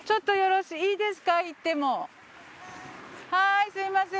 はいすみません。